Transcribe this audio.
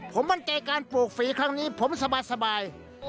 ผมมั่นใจการปลูกฝีครั้งนี้ผมสบาย